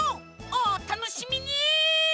おたのしみに！